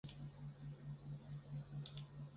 他曾经担任加的夫市议会的议员。